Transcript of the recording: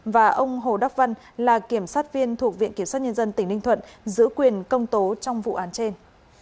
và ông hồ đắc vân là kiểm sát viên thuộc viện kiểm soát nhân dân tỉnh ninh thuận giữ quyền công tố trong vụ án trên